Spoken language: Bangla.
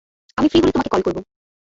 আমি ফ্রি হলে তোমাকে কল করব।